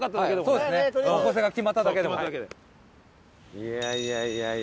いやいやいやいや。